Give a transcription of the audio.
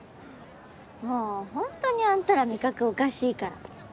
もうホントにあんたら味覚おかしいから。